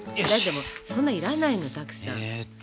でもそんないらないのたくさん。